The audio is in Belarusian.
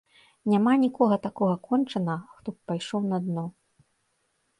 Няма нікога такога кончанага, хто б пайшоў на дно.